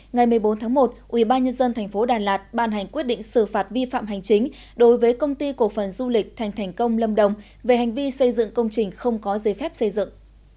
ngày một mươi bốn tháng một ubnd tp đà lạt ban hành quyết định xử phạt vi phạm hành chính đối với công ty cổ phần du lịch thành thành công lâm đồng về hành vi xây dựng công trình không có giấy phép xây dựng